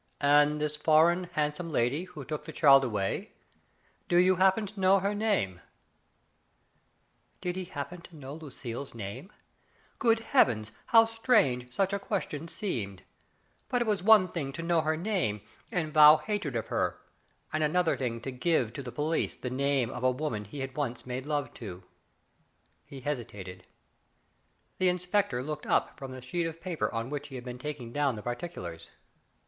"And this foreign, handsome lady who took the child away, do you happen to know her name ?" Did he happen to know Lucille's name ! Good Heavens, how strange such a question seemed ! But it was one thing to know her name, and vow hatred of her, and another thing to give to the police the name of a woman he once made love to. He hesitated. The inspector looked up from the sheet of paper on which he had been taking down the particulars.